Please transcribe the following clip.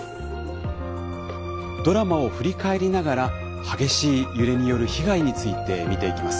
ドラマを振り返りながら激しい揺れによる被害について見ていきます。